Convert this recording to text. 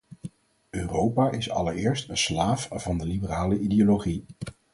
Europa is allereerst een slaaf van de liberale ideologie.